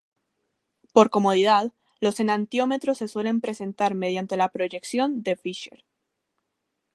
Por comodidad, los enantiómeros se suelen representar mediante la proyección de Fischer.